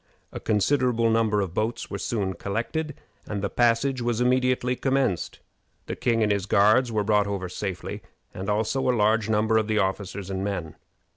A considerable number of boats were soon collected, and the passage was immediately commenced. The king and his guards were brought over safely, and also a large number of the officers and men.